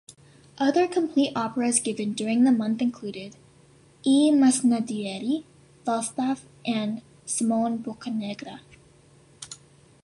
Other complete operas given during the month included "I masnadieri", "Falstaff", and "Simon Boccanegra".